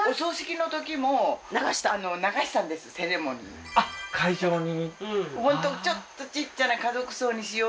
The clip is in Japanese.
もうあっ会場に？